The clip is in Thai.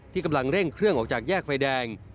กำลังเร่งเครื่องออกจากแยกไฟแดง